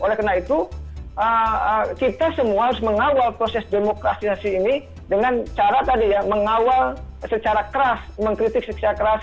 oleh karena itu kita semua harus mengawal proses demokrasi ini dengan cara tadi ya mengawal secara keras mengkritik secara keras